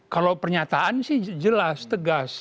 kalau pernyataan sih jelas tegas